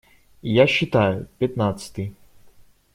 И я считаю: пятнадцатый.